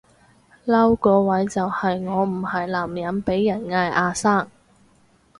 嬲個位就係我唔係男人被人嗌阿生